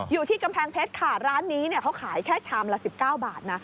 อยู่ที่กำแพงเพชรค่ะร้านนี้เขาขายแค่ชามละ๑๙บาทนะ